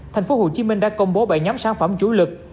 thành phố hồ chí minh đã công bố bảy nhóm sản phẩm chủ lực